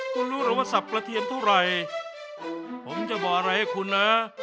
คุณรู้หรือว่าสับกระเทียมเท่าไหร่ผมจะบอกอะไรให้คุณนะ